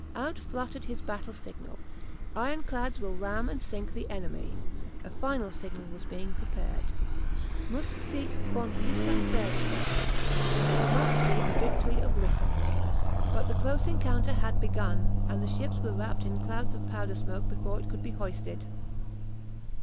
Out fluttered his battle signal, "Ironclads will ram and sink the enemy!" A final signal was being prepared, "Muss Sieg von Lissa werden!" ("There must be a victory of Lissa!"), but the close encounter had begun, and the ships were wrapped in clouds of powder smoke before it could be hoisted.